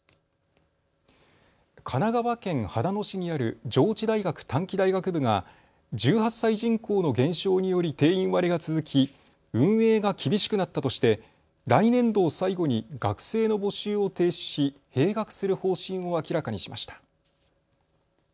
神奈川県秦野市にある上智大学短期大学部が１８歳人口の減少により定員割れが続き運営が厳しくなったとして来年度を最後に学生の募集を停止し閉学する方針を明らかにしました。